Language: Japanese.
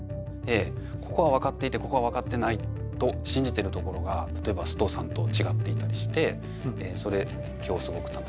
ええここはわかっていてここはわかってないと信じてるところが例えば須藤さんと違っていたりしてそれ今日すごく楽しみましたね。